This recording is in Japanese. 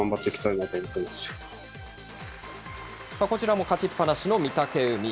こちらも勝ちっぱなしの御嶽海。